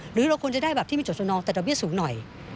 หรือเราควรจะได้แบบที่มีจดจำนองแต่ดอกเบี้ยสูงหน่อย